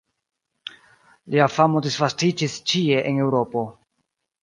Lia famo disvastiĝis ĉie en Eŭropo.